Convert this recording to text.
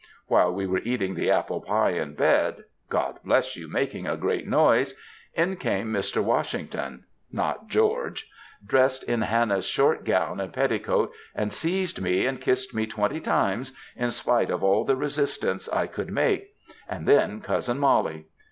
While we were eating the apple pye in bed ŌĆö Grod bless you making a great noise ŌĆö in came Mr. Washington^ (not Greorge), ^Mressed in Hannah^s short gown and petticoat, and seazed me and kissed me twenty times, in spite of all the resistance I could make; and then Cousin Molly.